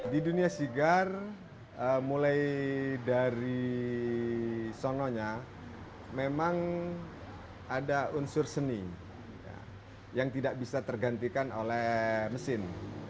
di dunia sigar mulai dari sononya memang ada unsur seni yang tidak bisa tergantikan oleh mesin